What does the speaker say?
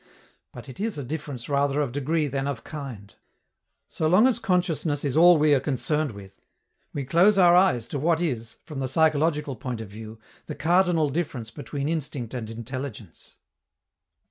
But it is a difference rather of degree than of kind. So long as consciousness is all we are concerned with, we close our eyes to what is, from the psychological point of view, the cardinal difference between instinct and intelligence.